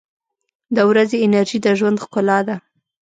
• د ورځې انرژي د ژوند ښکلا ده.